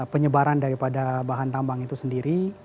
penyebaran dari pada bahan tambang itu sendiri